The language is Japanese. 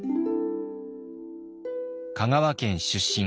香川県出身。